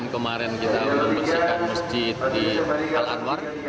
kemarin kita membersihkan masjid di kalanwar